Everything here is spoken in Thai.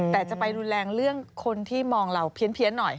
แต่จะไปรุนแรงเรื่องคนที่มองเราเพี้ยนหน่อย